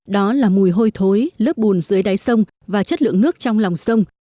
đó là mùi hôi thối lớp bùn dưới đáy sông và chất lượng nước trong lòng sông